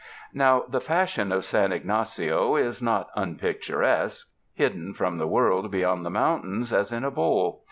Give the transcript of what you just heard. Now, the fashion of San Ygnacio is not unpic turesque, hidden from the world beyond the moun tains, as in a bowl.